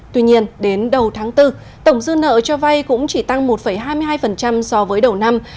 tuy nhiên đến đầu tháng bốn tổng dư nợ cho vay cũng chỉ tăng một hai mươi hai so với đầu năm